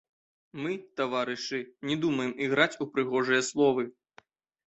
Мы, таварышы, не думаем іграць у прыгожыя словы.